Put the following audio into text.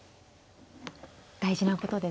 大事なことですね。